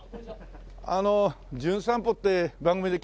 あの『じゅん散歩』って番組で来ました